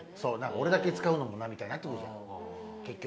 俺だけ使うのもなみたいになってくるじゃん結局。